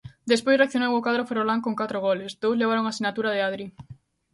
Despois reaccionou o cadro ferrolán con catro goles, dous levaron a sinatura de Adri.